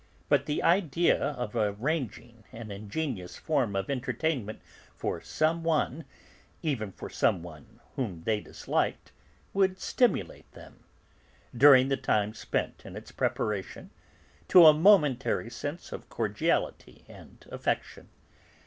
But the idea of arranging an ingenious form of entertainment for some one, even for some one whom they disliked, would stimulate them, during the time spent in its preparation, to a momentary sense of cordiality and affection.